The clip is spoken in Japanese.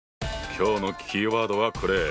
今日のキーワードはこれ！